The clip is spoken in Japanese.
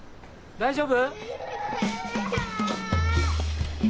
大丈夫？